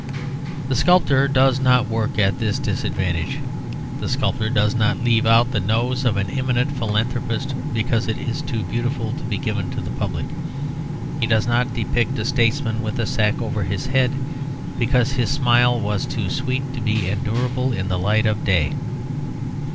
The sculptor does not work at this disadvantage. The sculptor does not leave out the nose of an eminent philanthropist because it is too beautiful to be given to the public; he does not depict a statesman with a sack over his head because his smile was too sweet to be endurable in the light of day.